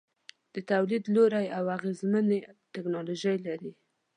د تولید لوړې او اغیزمنې ټیکنالوجۍ لري.